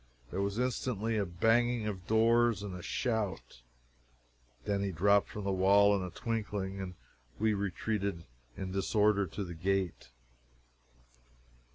There was instantly a banging of doors and a shout. Denny dropped from the wall in a twinkling, and we retreated in disorder to the gate.